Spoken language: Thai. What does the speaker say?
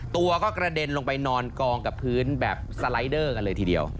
ตัวก็กระเด็นลงไปนอนกองกับพื้นแบบสไลด์เดอร์กันเลยทีเดียว